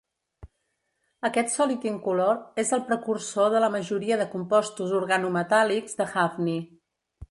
Aquest sòlid incolor és el precursor de la majoria de compostos organometàl·lics de hafni.